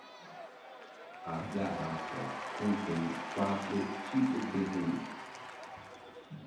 As garrafas contêm quatro tipos de rum.